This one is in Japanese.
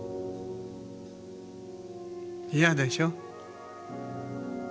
嫌でしょ？